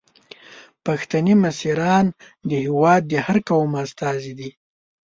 پښتني مشران د هیواد د هر قوم استازي دي.